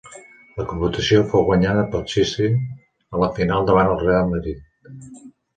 La competició fou guanyada pel Chelsea a la final davant del Reial Madrid.